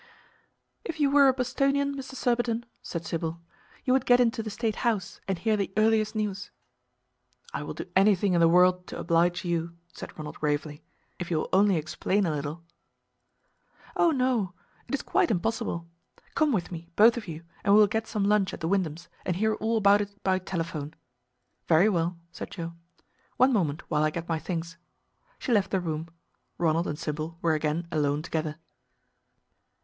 "If you were a Bostonian, Mr. Surbiton," said Sybil, "you would get into the State House and hear the earliest news." "I will do anything in the world to oblige you," said Ronald gravely, "if you will only explain a little" "Oh no! It is quite impossible. Come with me, both of you, and we will get some lunch at the Wyndhams' and hear all about it by telephone." "Very well," said Joe. "One moment, while I get my things." She left the room. Ronald and Sybil were again alone together.